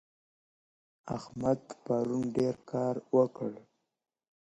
احمد پرون ډېر کار وکړی.